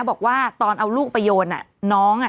บอกว่าตอนเอาลูกไปโยนน้อง